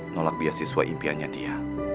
nolak beasiswa impiannya dia